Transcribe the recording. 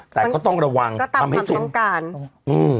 แต่ก็ต้องระวังทำให้สุดก็ตามความต้องการอืม